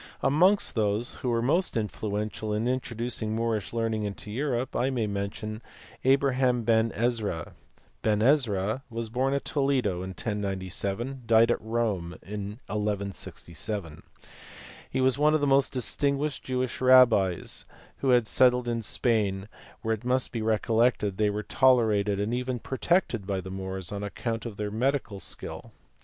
Amongst those who were most influential in introducing Moorish learn ing into Europe I may mention Abraham Ben Ezra*. Ben Ezra was born at Toledo in 1097, and died at Rome in 1167. He was one of the most distinguished Jewish rabbis who had settled in Spain, where it must be recollected that they were tolerated and even protected by the Moors on account of their medical skill.